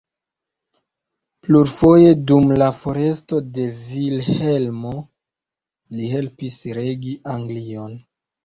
Plurfoje dum la foresto de Vilhelmo li helpis regi Anglion.